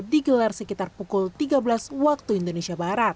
digelar sekitar pukul tiga belas waktu indonesia barat